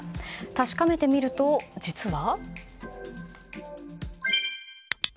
確かめてみると実は。